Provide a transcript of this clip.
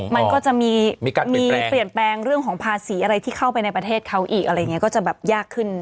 มันก็จะมีเปลี่ยนแปลงเรื่องของภาษีอะไรที่เข้าไปในประเทศเขาอีกอะไรอย่างนี้ก็จะแบบยากขึ้น